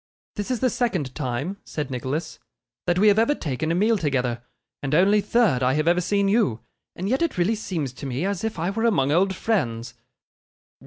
'This is the second time,' said Nicholas, 'that we have ever taken a meal together, and only third I have ever seen you; and yet it really seems to me as if I were among old friends.